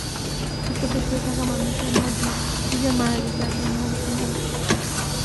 ফুটপাতে শুয়ে থাকা মানুষের মধ্যে একজন মারা যায়, চারজন আহত হয়।